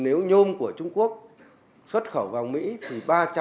nếu nhôm của trung quốc xuất khẩu vào mỹ thì ba trăm bảy mươi bốn